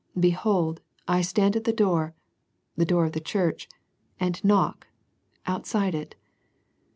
" Behold, I stand at the door," the door of the church, " and knock," outside it.